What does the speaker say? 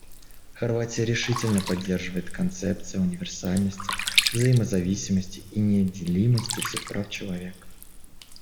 Хорватия решительно поддерживает концепции универсальности, взаимозависимости и неделимости всех прав человека.